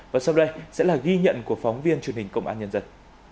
và sau đây sẽ là ghi nhận của phóng viên truyền hình công an nhân dân